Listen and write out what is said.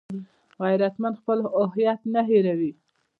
غیرتمند خپل هویت نه هېروي